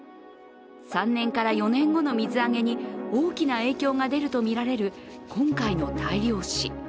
３年から４年後の水揚げに大きな影響が出るとみられる今回の大量死。